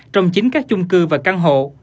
trong chính các chung cư và căn hộ